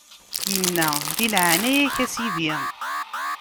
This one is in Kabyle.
Inna: Di leɛnaya-k, a Sidi!